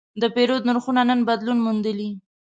د پیرود نرخونه نن بدلون موندلی.